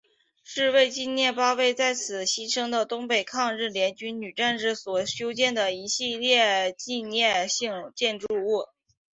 是为纪念八位在此牺牲的东北抗日联军女战士所修建的一系列纪念性建筑物。